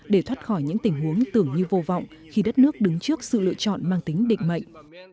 để thoát khỏi những tình huống tưởng như vô vọng khi đất nước đứng trước sự lựa chọn mang tính định mệnh